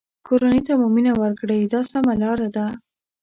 کورنۍ ته مو مینه ورکړئ دا سمه لاره ده.